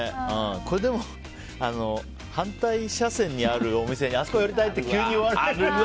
でも、反対車線にあるお店にあそこ寄りたいって急に言われて。